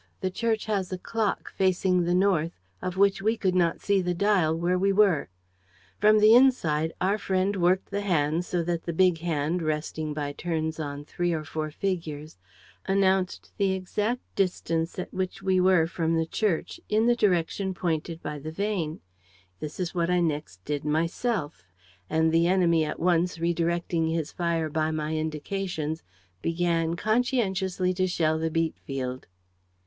The church has a clock, facing the north, of which we could not see the dial, where we were. From the inside, our friend worked the hands so that the big hand, resting by turns on three or four figures, announced the exact distance at which we were from the church, in the direction pointed by the vane. This is what I next did myself; and the enemy at once, redirecting his fire by my indications, began conscientiously to shell the beet field."